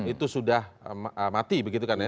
itu sudah mati begitu kan ya